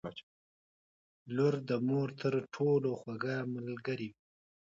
• لور د مور تر ټولو خوږه ملګرې وي.